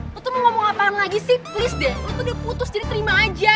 lo tuh mau ngomong apaan lagi sih please deh lo tuh udah putus jadi terima aja